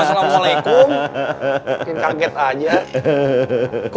mungkin kaget aja